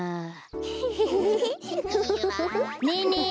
ねえねえ